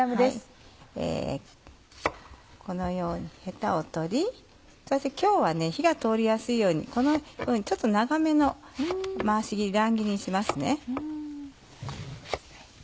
このようにヘタを取りそして今日は火が通りやすいようにちょっと長めの回し切り乱切りにしますね。